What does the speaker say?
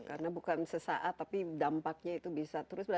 karena bukan sesaat tapi dampaknya itu bisa terus